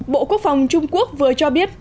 bộ quốc phòng trung quốc vừa cho biết